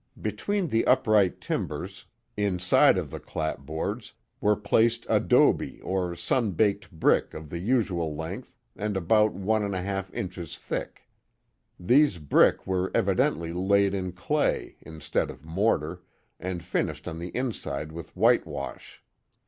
Between the upright timbers. The Mohawk Valley inside of the clapboards, were placed adobe or sun baked brick of the usual length and about one and one half inches thick. These brick were evidently laid in clay, instead of mortar, and finished on the inside with whitewash.